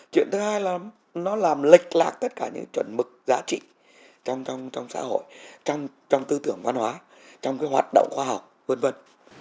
chuyện thứ hai là nó làm lệch lạc tất cả những chuẩn mực giá trị trong xã hội trong tư tưởng văn hóa trong hoạt động khoa học v v